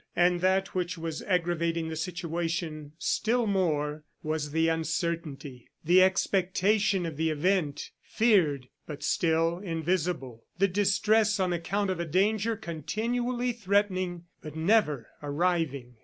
And that which was aggravating the situation still more was the uncertainty, the expectation of the event, feared but still invisible, the distress on account of a danger continually threatening but never arriving.